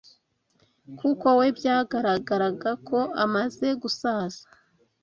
kuko we byagaragaraga ko amaze gusaza